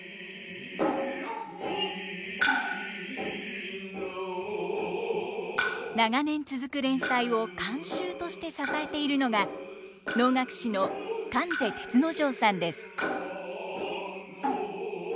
君の長年続く連載を監修として支えているのが能楽師の観世銕之丞さんです。